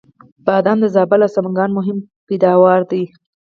بادام د زابل او سمنګان مهم پیداوار دی